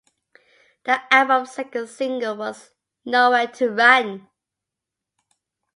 The album's second single was "Nowhere to Run".